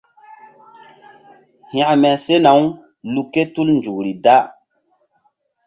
Hȩkme sena-u lu ké tul nzukri da.